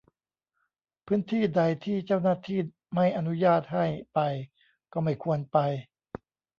พื้นที่ใดที่เจ้าหน้าที่ไม่อนุญาตให้ไปก็ไม่ควรไป